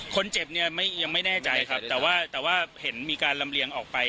คนเจ็บเนี่ยยังไม่แน่ใจครับแต่ว่าแต่ว่าเห็นมีการลำเลียงออกไป